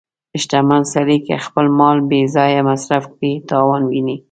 • شتمن سړی که خپل مال بې ځایه مصرف کړي، تاوان ویني.